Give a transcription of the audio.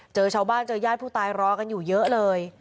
เจอชาวบ้านเจอญาติผู้ตายรอกันอยู่เยอะเลย